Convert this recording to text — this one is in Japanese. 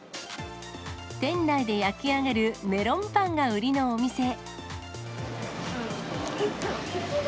店内で焼き上げるメロンパンが売りのお店。